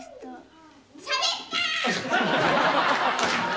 「しゃべった！」